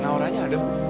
naura nya ada